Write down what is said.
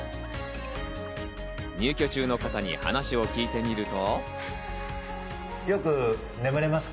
入居中の方に話を聞いてみると。